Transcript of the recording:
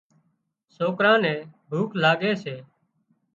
سوڪران نين ڀوک لاڳي سي